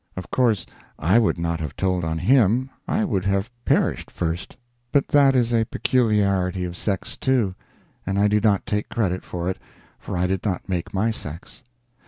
Of course I would not have told on him, I would have perished first; but that is a peculiarity of sex, too, and I do not take credit for it, for I did not make my sex.